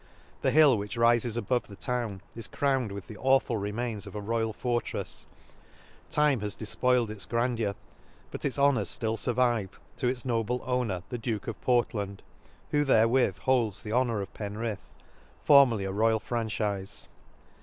— The hill which rifes above the town is crowned with the awful remains of a royal fortrefs ;— time has defpoiled its grandeur, but its Honors ftill furvive to its noble owner the Duke of Portland, who therewith holds the Ho nor of Penrith, formerly a royal franchife.